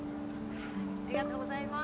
ありがとうございます。